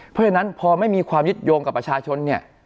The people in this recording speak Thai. เพราะฉะนั้นพอไม่มีความยึดโยงกับประชาชนเนี่ย